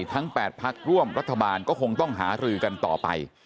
ทั้งปราตรภัคฐ์ร่วมรัฐบาลก็คงต้องหารึกันต่อไป